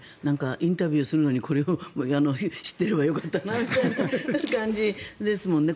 インタビューするのにこれを知っていればよかったなみたいな感じですもんね。